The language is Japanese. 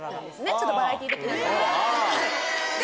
ちょっとバラエティー的なノリで。